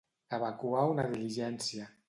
Evacuar una diligència.